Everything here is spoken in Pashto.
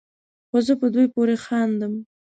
خو زه په دوی پورې خاندم